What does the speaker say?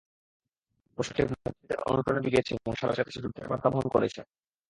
পোস্টারটি মুক্তিযোদ্ধাদের অনুপ্রেরণা জুগিয়েছে এবং সারা বিশ্বের কাছে যুদ্ধের বার্তা বহন করেছে।